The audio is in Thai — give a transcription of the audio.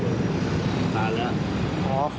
พี่อุ๋ยพ่อจะบอกว่าพ่อจะรับผิดแทนลูก